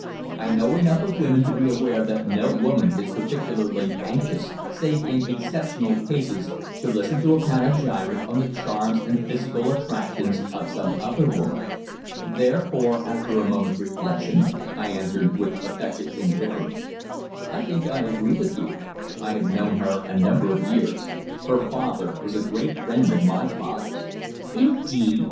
I know enough of women to be aware that no woman is particularly anxious, save in exceptional cases, to listen to a panegyric on the charms and the physical attractions of some other woman. Therefore, after a moment's reflection, I answered with affected indifference: "I think I agree with you. I have known her a number of years. Her father was a great friend of my father's." "Indeed?"